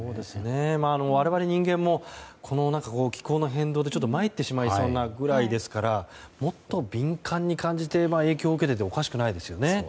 我々人間も気候の変動でまいってしまいそうなぐらいですからもっと敏感に感じて影響を受けてもおかしくないですね。